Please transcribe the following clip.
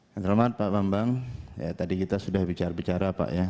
selamat pak bambang tadi kita sudah bicara bicara pak ya